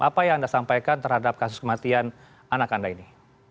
apa yang anda sampaikan terhadap kasus kematian anak anda ini